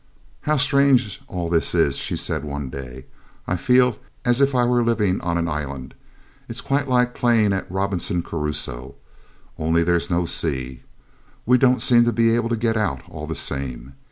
'How strange all this is,' she said one day; 'I feel as if I were living on an island. It's quite like playing at "Robinson Crusoe", only there's no sea. We don't seem to be able to get out all the same.